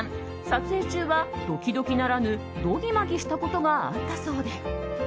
撮影中は、ドキドキならぬドギマギしたことがあったそうで。